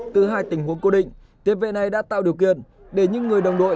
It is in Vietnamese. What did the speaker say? từ hai tình huống cố định tiệm vệ này đã tạo điều kiện để những người đồng đội